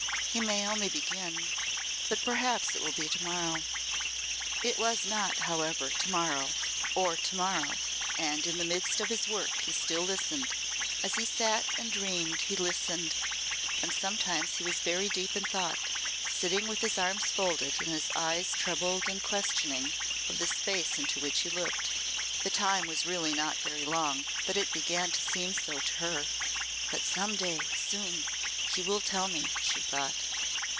"He may only begin but perhaps it will be to morrow." It was not, however, to morrow or to morrow. And in the midst of his work he still listened. As he sat and dreamed he listened and sometimes he was very deep in thought sitting with his arms folded and his eyes troubled and questioning of the space into which he looked. The time was really not very long, but it began to seem so to her. "But some day soon he will tell me," she thought.